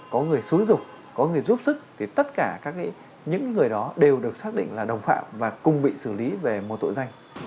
có người xúi dục có người giúp sức thì tất cả các những người đó đều được xác định là đồng phạm và cùng bị xử lý về một tội danh